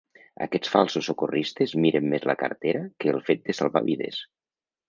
Aquests falsos socorristes miren més la cartera que el fet de salvar vides.